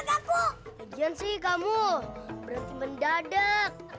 lagi lagi kamu berhenti mendadak